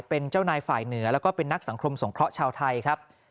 เป็นเจ้านายฝ่ายเหนือแล้วก็เป็นนักสังคมสงเคราะห์ชาวไทยครับ